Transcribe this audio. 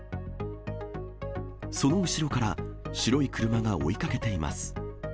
その後ろから、白い車が追いかけています。